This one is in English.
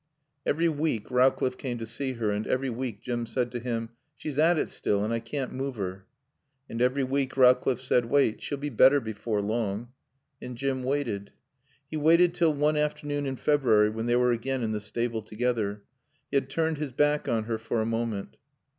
Every week Rowcliffe came to see her and every week Jim said to him: "She's at it still and I caan't move 'er." And every week Rowcliffe said: "Wait. She'll be better before long." And Jim waited. He waited till one afternoon in February, when they were again in the stable together. He had turned his back on her for a moment.